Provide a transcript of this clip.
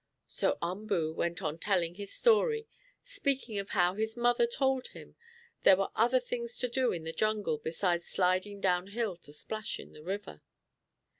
So Umboo went on telling his story, speaking of how his mother told him there were other things to do in the jungle besides sliding down hill to splash into the river.